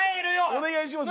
お願いします。